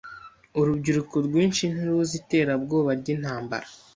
Urubyiruko rwinshi ntiruzi iterabwoba ryintambara.